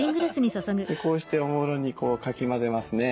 こうしておもむろにかき混ぜますね。